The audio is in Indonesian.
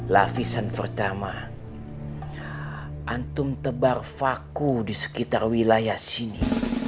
lafisan pertama antum tebar faku di sekitar wilayah sini